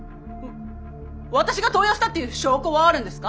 私が盗用したっていう証拠はあるんですか？